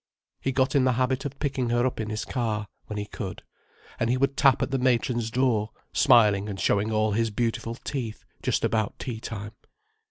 He got in the habit of picking her up in his car, when he could. And he would tap at the matron's door, smiling and showing all his beautiful teeth, just about tea time.